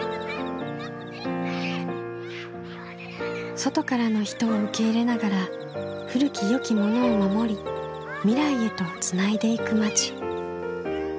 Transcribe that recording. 外からの人を受け入れながら古きよきものを守り未来へとつないでいく町。